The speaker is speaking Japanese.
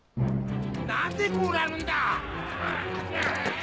何でこうなるんだ！